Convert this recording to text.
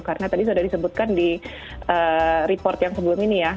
karena tadi sudah disebutkan di report yang sebelum ini ya